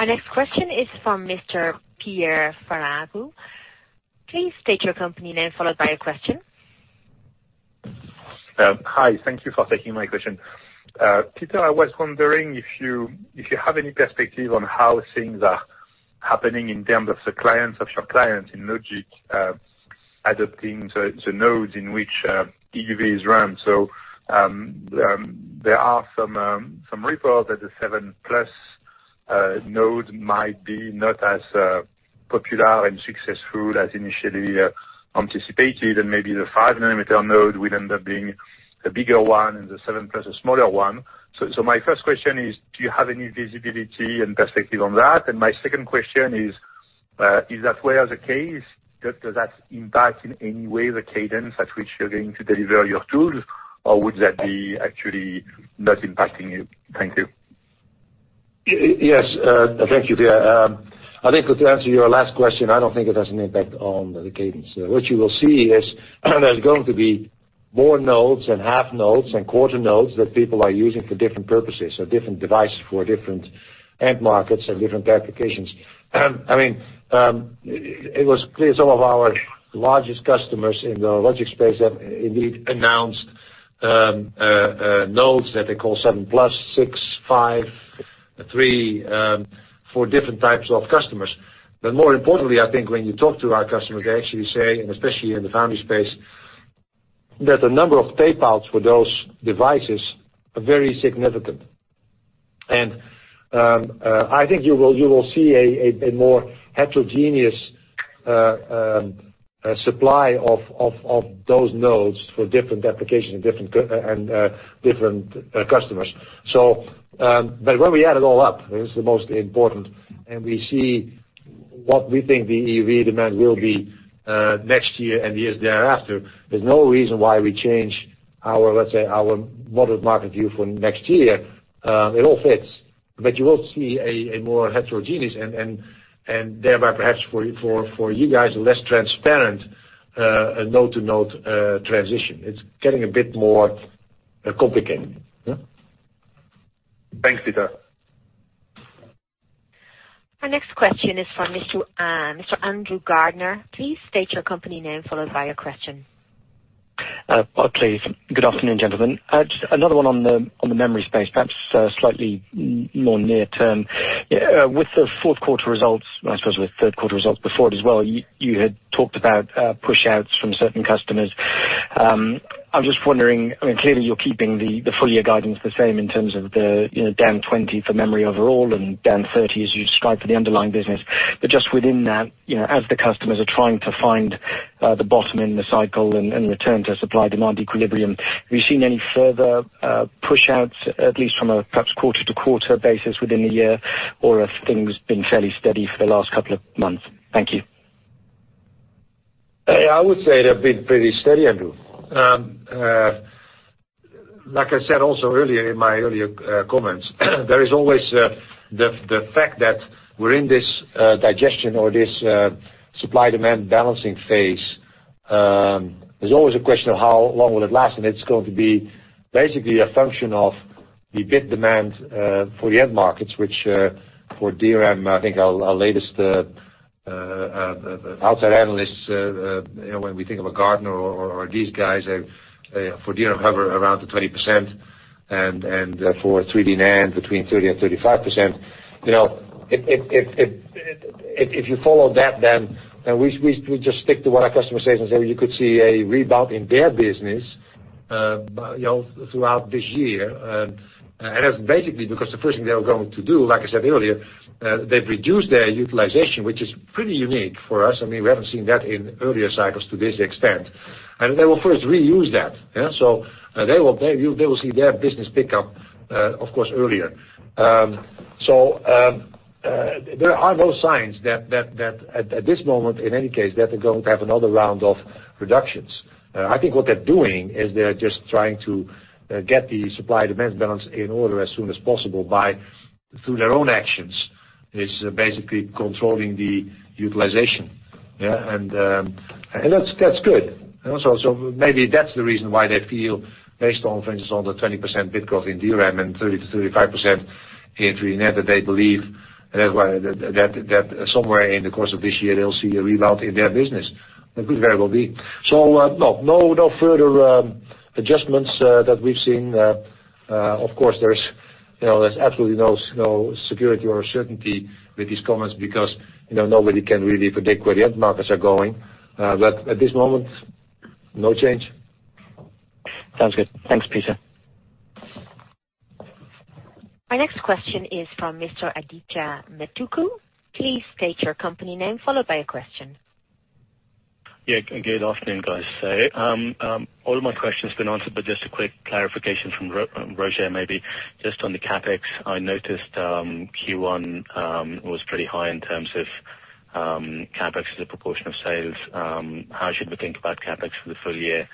[SPEAKER 1] Our next question is from Mr. Pierre Ferragu. Please state your company name, followed by your question.
[SPEAKER 14] Hi. Thank you for taking my question. Peter, I was wondering if you have any perspective on how things are happening in terms of the clients, of your clients in logic, adopting the nodes in which EUV is run. There are some reports that the seven-plus node might be not as popular and successful as initially anticipated, and maybe the five-nanometer node will end up being the bigger one and the seven-plus a smaller one. My first question is, do you have any visibility and perspective on that? My second question is, if that were the case, does that impact in any way the cadence at which you're going to deliver your tools? Would that be actually not impacting you? Thank you.
[SPEAKER 3] Yes. Thank you, Pierre. I think to answer your last question, I do not think it has an impact on the cadence. What you will see is there's going to be more nodes and half nodes and quarter nodes that people are using for different purposes, so different devices for different end markets and different applications. It was clear some of our largest customers in the logic space have indeed announced nodes that they call 7-plus, 6, 5, 3, for different types of customers. More importantly, I think when you talk to our customers, they actually say, and especially in the foundry space, that the number of tape outs for those devices are very significant. I think you will see a more heterogeneous supply of those nodes for different applications and different customers. When we add it all up, this is the most important, and we see what we think the EUV demand will be next year and years thereafter. There's no reason why we change our, let's say, our modeled market view for next year. It all fits. You will see a more heterogeneous and thereby perhaps for you guys, a less transparent node-to-node transition. It's getting a bit more complicated.
[SPEAKER 14] Thanks, Peter.
[SPEAKER 1] Our next question is from Mr. Andrew Gardiner. Please state your company name, followed by your question.
[SPEAKER 15] Barclays. Good afternoon, gentlemen. Just another one on the memory space, perhaps slightly more near term. With the fourth quarter results, and I suppose with third quarter results before it as well, you had talked about pushouts from certain customers. I'm just wondering, clearly, you're keeping the full year guidance the same in terms of the down 20% for memory overall and down 30% as you described for the underlying business. Just within that, as the customers are trying to find the bottom in the cycle and return to supply-demand equilibrium, have you seen any further pushouts, at least from a perhaps quarter-to-quarter basis within the year? Or have things been fairly steady for the last couple of months? Thank you.
[SPEAKER 3] I would say they've been pretty steady, Andrew. Like I said also earlier in my earlier comments, there is always the fact that we're in this digestion or this supply-demand balancing phase. There's always a question of how long will it last, and it's going to be basically a function of the bit demand for the end markets, which for DRAM, I think our latest outside analysts, when we think of a Gartner or these guys, for DRAM hover around the 20% and for 3D NAND between 30% to 35%. If you follow that, we just stick to what our customers say and say you could see a rebound in their business throughout this year. That's basically because the first thing they were going to do, like I said earlier, they've reduced their utilization, which is pretty unique for us. We haven't seen that in earlier cycles to this extent. They will first reuse that. They will see their business pick up, of course, earlier. There are no signs that at this moment, in any case, that they're going to have another round of reductions. I think what they're doing is they're just trying to get the supply-demand balance in order as soon as possible by, through their own actions, is basically controlling the utilization. That's good. Maybe that's the reason why they feel, based on, for instance, on the 20% bit growth in DRAM and 30% to 35% in 3D NAND, that they believe that somewhere in the course of this year, they'll see a rebound in their business. It could very well be. No further adjustments that we've seen. Of course, there's absolutely no security or certainty with these comments because nobody can really predict where the end markets are going. At this moment, no change.
[SPEAKER 15] Sounds good. Thanks, Peter.
[SPEAKER 1] Our next question is from Mr. Adithya Metuku. Please state your company name, followed by your question.
[SPEAKER 16] Yeah. Good afternoon, guys. All of my questions have been answered, but just a quick clarification from Roger maybe, just on the CapEx. I noticed Q1 was pretty high in terms of CapEx as a proportion of sales. How should we think about CapEx for the full year?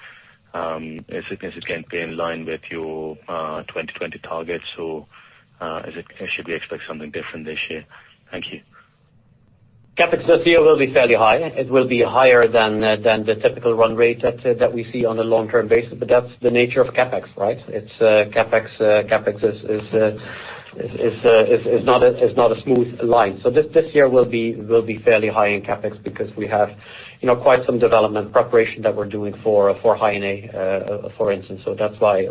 [SPEAKER 16] Is it going to be in line with your 2020 targets, or should we expect something different this year? Thank you.
[SPEAKER 4] CapEx this year will be fairly high. It will be higher than the typical run rate that we see on a long-term basis, but that's the nature of CapEx, right? CapEx is not a smooth line. This year will be fairly high in CapEx because we have quite some development preparation that we're doing for High NA, for instance. That's why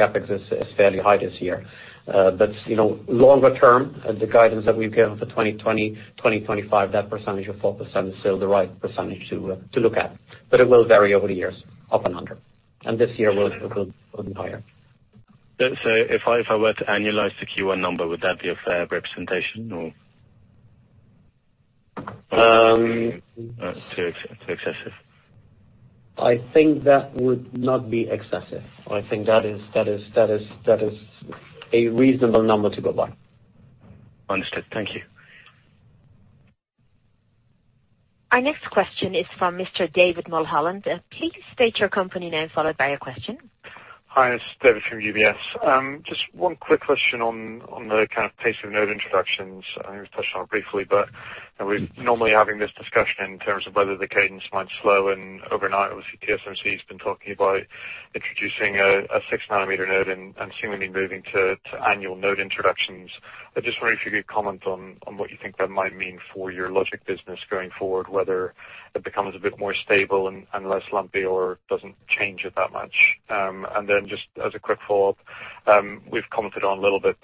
[SPEAKER 4] CapEx is fairly high this year. Longer term, the guidance that we've given for 2020, 2025, that percentage of 4% is still the right percentage to look at. It will vary over the years, up and under. This year it will go higher.
[SPEAKER 16] If I were to annualize the Q1 number, would that be a fair representation or-
[SPEAKER 4] Um-
[SPEAKER 16] Too excessive?
[SPEAKER 4] I think that would not be excessive. I think that is a reasonable number to go by.
[SPEAKER 16] Understood. Thank you.
[SPEAKER 1] Our next question is from Mr. David Mulholland. Please state your company name, followed by your question.
[SPEAKER 17] Hi, this is David from UBS. Just one quick question on the kind of pace of node introductions. I know you touched on it briefly, are we normally having this discussion in terms of whether the cadence might slow? Overnight, obviously, TSMC has been talking about introducing a six-nanometer node and seemingly moving to annual node introductions. I just wonder if you could comment on what you think that might mean for your logic business going forward, whether it becomes a bit more stable and less lumpy or doesn't change it that much. Then just as a quick follow-up, we've commented on a little bit,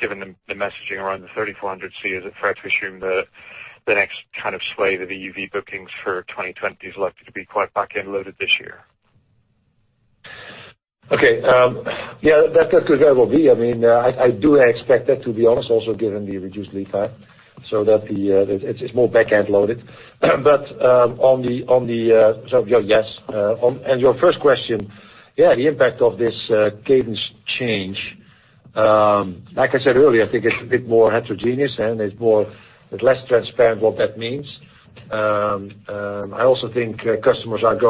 [SPEAKER 17] given the messaging around the 3400 series, is it fair to assume the next kind of sway to the EUV bookings for 2020 is likely to be quite back-end loaded this year?
[SPEAKER 3] Okay. Yeah, that could very well be. I do expect that to be honest, also given the reduced lead time, that it's more back-end loaded. Yes. Your first question, yeah, the impact of this cadence change, like I said earlier, I think it's a bit more heterogeneous and it's less transparent what that means. I also think customers of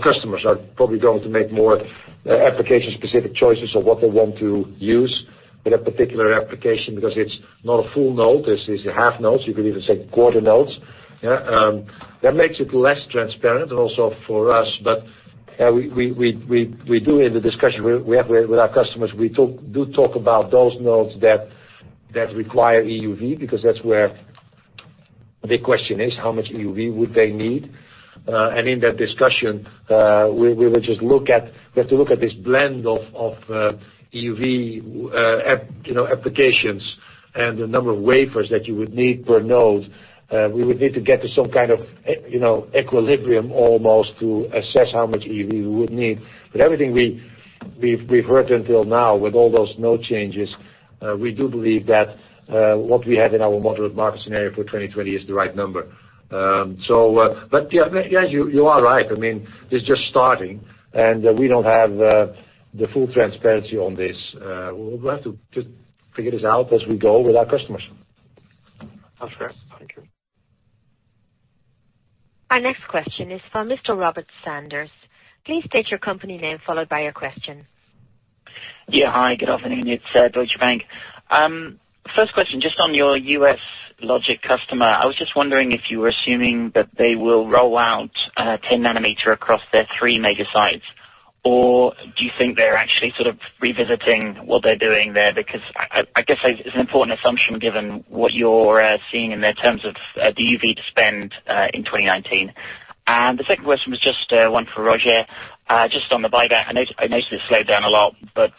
[SPEAKER 3] customers are probably going to make more application-specific choices of what they want to use in a particular application because it's not a full node, this is half nodes, you could even say quarter nodes. That makes it less transparent also for us. We do in the discussion with our customers, we do talk about those nodes that require EUV, because that's where the question is, how much EUV would they need? In that discussion, we have to look at this blend of EUV applications and the number of wafers that you would need per node. We would need to get to some kind of equilibrium almost to assess how much EUV we would need. Everything we've heard until now with all those node changes, we do believe that what we have in our moderate market scenario for 2020 is the right number. Yeah, you are right. It's just starting, we don't have the full transparency on this. We'll have to figure this out as we go with our customers.
[SPEAKER 17] Sounds great. Thank you.
[SPEAKER 1] Our next question is from Mr. Robert Sanders. Please state your company name, followed by your question.
[SPEAKER 18] Yeah. Hi, good afternoon. It is Deutsche Bank. First question, just on your U.S. logic customer, I was just wondering if you were assuming that they will roll out 10 nanometer across their three major sites, or do you think they are actually sort of revisiting what they are doing there? Because I guess it is an important assumption given what you are seeing in their terms of DUV to spend in 2019. The second question was just one for Roger. Just on the buyback. I noticed it slowed down a lot, but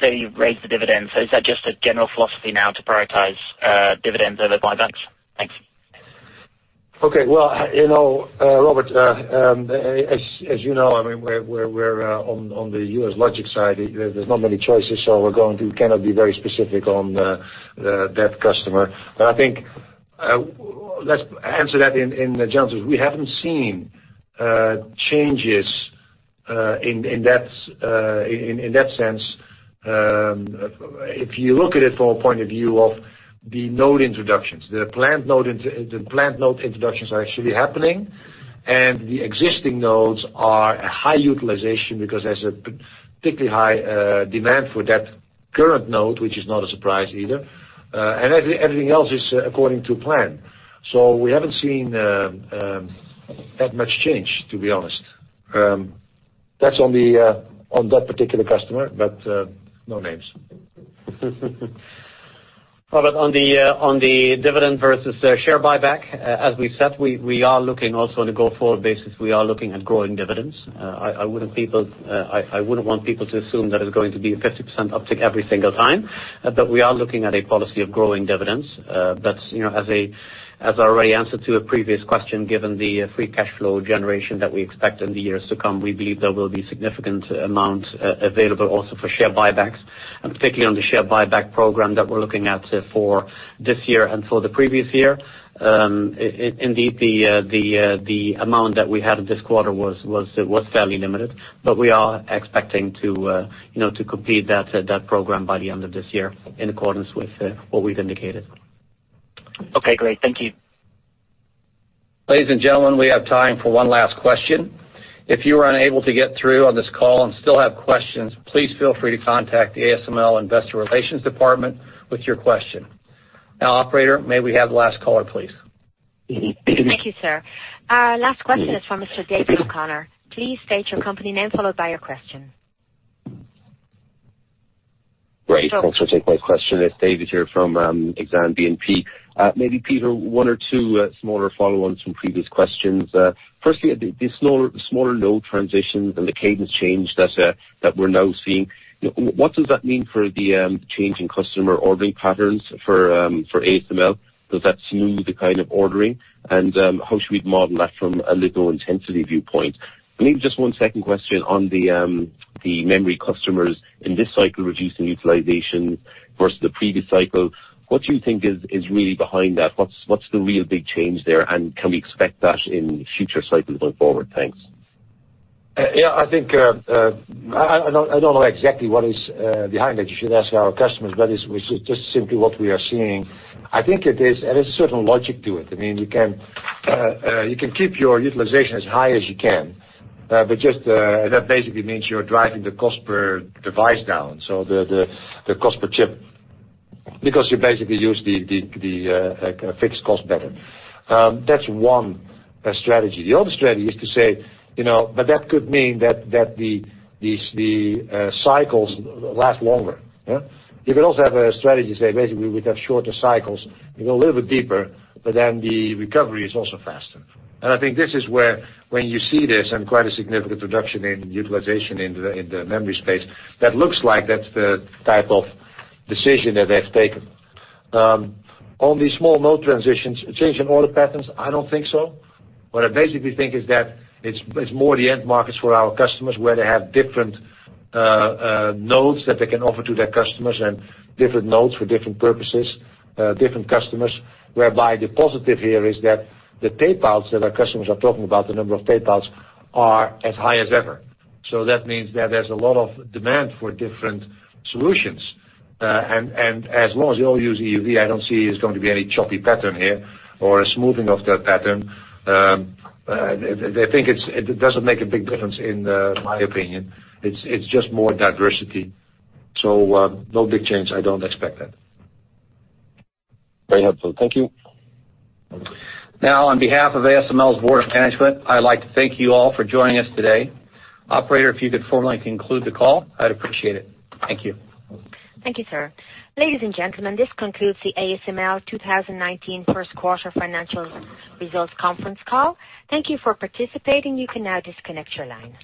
[SPEAKER 18] they raised the dividend. Is that just a general philosophy now to prioritize dividends over buybacks? Thanks.
[SPEAKER 3] Okay. Well, Robert, as you know, we are on the U.S. logic side. There is not many choices, so we cannot be very specific on that customer. I think, let us answer that in the general sense. We haven't seen changes in that sense, if you look at it from a point of view of the node introductions, the planned node introductions are actually happening, and the existing nodes are at high utilization because there is a particularly high demand for that current node, which is not a surprise either. Everything else is according to plan. We haven't seen that much change, to be honest. That is on that particular customer, but no names.
[SPEAKER 4] Robert, on the dividend versus share buyback, as we said, we are looking also on a go-forward basis. We are looking at growing dividends. I wouldn't want people to assume that it's going to be a 50% uptick every single time, but we are looking at a policy of growing dividends. That's, as I already answered to a previous question, given the free cash flow generation that we expect in the years to come, we believe there will be significant amounts available also for share buybacks. Particularly on the share buyback program that we're looking at for this year and for the previous year. Indeed, the amount that we had this quarter was fairly limited, but we are expecting to complete that program by the end of this year in accordance with what we've indicated.
[SPEAKER 18] Okay, great. Thank you.
[SPEAKER 2] Ladies and gentlemen, we have time for one last question. If you were unable to get through on this call and still have questions, please feel free to contact the ASML investor relations department with your question. Now, operator, may we have the last caller, please?
[SPEAKER 1] Thank you, sir. Last question is from Mr. David O'Connor. Please state your company name, followed by your question.
[SPEAKER 19] Great. Thanks for taking my question. It's David here from Exane BNP. Maybe, Peter, one or two smaller follow-ons from previous questions. Firstly, the smaller node transitions and the cadence change that we're now seeing, what does that mean for the change in customer ordering patterns for ASML? Does that smooth the kind of ordering? How should we model that from a litho intensity viewpoint? Maybe just one second question on the memory customers in this cycle reducing utilization versus the previous cycle. What do you think is really behind that? What's the real big change there, and can we expect that in future cycles going forward? Thanks.
[SPEAKER 3] Yeah, I don't know exactly what is behind it. You should ask our customers, it's just simply what we are seeing. I think there's a certain logic to it. You can keep your utilization as high as you can, just that basically means you're driving the cost per device down, so the cost per chip. You basically use the fixed cost better. That's one strategy. The other strategy is to say, that could mean that the cycles last longer. You could also have a strategy, say, basically with shorter cycles, you go a little bit deeper, then the recovery is also faster. I think this is where, when you see this and quite a significant reduction in utilization in the memory space, that looks like that's the type of decision that they've taken. On the small node transitions, change in order patterns, I don't think so. What I basically think is that it's more the end markets for our customers, where they have different nodes that they can offer to their customers and different nodes for different purposes, different customers. Whereby the positive here is that the tape outs that our customers are talking about, the number of tape outs are as high as ever. That means that there's a lot of demand for different solutions. As long as they all use EUV, I don't see there's going to be any choppy pattern here or a smoothing of that pattern. I think it doesn't make a big difference in my opinion. It's just more diversity. No big change. I don't expect that.
[SPEAKER 19] Very helpful. Thank you.
[SPEAKER 2] On behalf of ASML's Board of Management, I'd like to thank you all for joining us today. Operator, if you could formally conclude the call, I'd appreciate it. Thank you.
[SPEAKER 1] Thank you, sir. Ladies and gentlemen, this concludes the ASML 2019 first quarter financial results conference call. Thank you for participating. You can now disconnect your line.